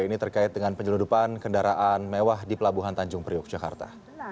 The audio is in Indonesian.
ini terkait dengan penyelundupan kendaraan mewah di pelabuhan tanjung priok jakarta